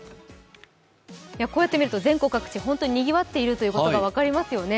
こうやって見ると、全国各地本当ににぎわってるのが分かりますよね。